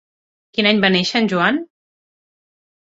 Quin any va néixer en Joan?